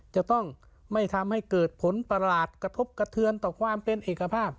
จะต้องไม่ทำให้เกิดผลประหลาดกระทบกระเทือนต่อความเป็นเอกภาพ